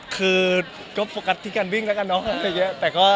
คือก็โฟกัสที่การวิ่งแล้วกันเนาะ